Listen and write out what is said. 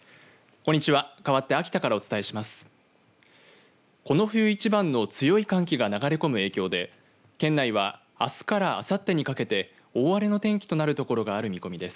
この冬一番の強い寒気が流れ込む影響で県内はあすからあさってにかけて大荒れの天気となる所がある見込みです。